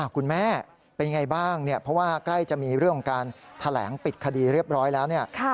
คุณแม่เป็นอย่างไรบ้างเพราะว่าใกล้จะมีเรื่องการแถลงปิดคดีเรียบร้อยแล้ว